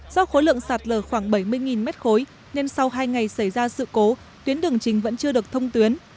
do khối lượng sạt lở khoảng bảy mươi m ba nên sau hai ngày xảy ra sự cố tuyến đường trình vẫn chưa được thông tuyến